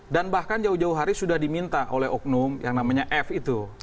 dan bahkan jauh jauh hari sudah diminta oleh oknum yang namanya f itu